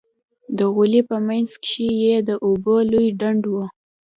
د غولي په منځ کښې يې د اوبو لوى ډنډ و.